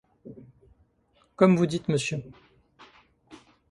Comme vous dites, monsieur.